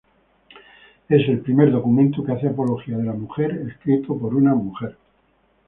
Es el primer documento que hace apología de la mujer, escrito por una mujer.